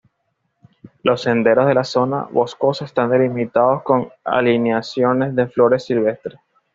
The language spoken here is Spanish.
Los senderos de la zona boscosa están delimitados con alineaciones de flores silvestres.